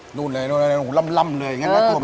หนูเลยร่ำเลย